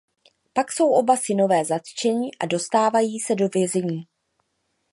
Pak jsou oba synové zatčeni a dostávají se do vězení.